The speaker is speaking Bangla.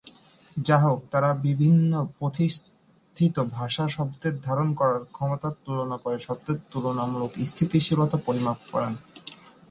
যাহোক, তারা বিভিন্ন প্রতিষ্ঠিত ভাষার শব্দের ধারণ করার ক্ষমতার মধ্যে তুলনা করে, শব্দের তুলনামূলক স্থিতিশীলতা পরিমাপ করেন।